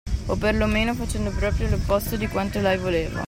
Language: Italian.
O per lo meno facendo proprio l'opposto di quanto lei voleva.